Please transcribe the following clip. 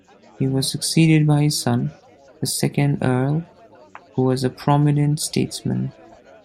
He was succeeded by his son, the second Earl, who was a prominent statesman.